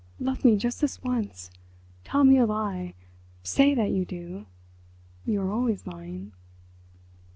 Love me just this once, tell me a lie, say that you do—you are always lying."